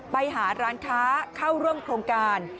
ไปหาร้านค้าเข้าร่วมโครงการ